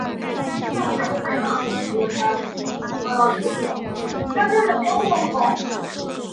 广南国及郑阮纷争期间的四个政体的其中之一。